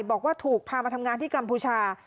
บอกว่าถูกพามาทำงานที่กัมพูชา